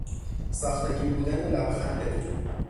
ساختگی بودن لبخند او